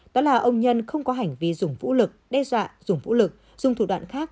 đó là ông nhân không có hành vi dùng vũ lực đe dọa dùng vũ lực dùng thủ đoạn khác